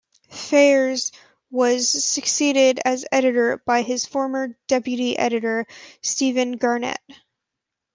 Faiers was succeeded as editor by his former deputy editor, Stephen Garnett.